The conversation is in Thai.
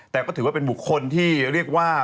แต่ก็ถือว่าเป็นบุคคลที่เรียกว่า